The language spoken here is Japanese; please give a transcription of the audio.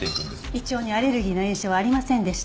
胃腸にアレルギーの炎症はありませんでした。